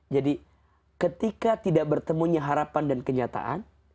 jadi ketika tidak bertemunya harapan dan kenyataan